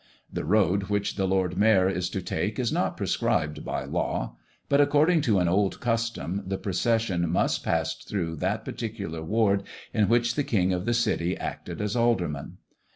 The road which the Lord Mayor is to take is not prescribed by law; but according to an old custom, the procession must pass through that particular ward in which the King of the City acted as Alderman.